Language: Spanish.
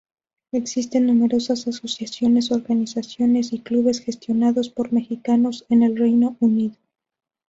Existen numerosas asociaciones, organizaciones y clubes gestionadas por mexicanos en el Reino Unido.